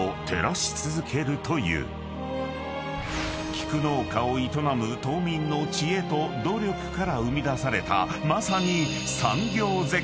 ［菊農家を営む島民の知恵と努力から生み出されたまさに］